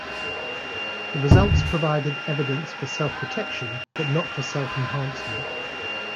The results provided evidence for self-protection but not for self-enhancement.